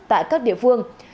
tại các địa phương